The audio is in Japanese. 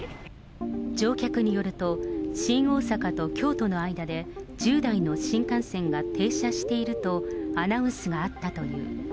乗客によると、新大阪と京都の間で１０台の新幹線が停車しているとアナウンスがあったという。